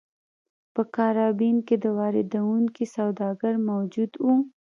په کارابین کې واردوونکي سوداګر موجود وو.